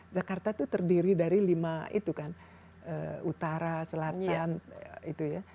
jakarta itu terdiri dari lima itu kan utara selatan itu ya